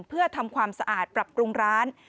เพื่อทำความสะอาดปรับปรุงร้าน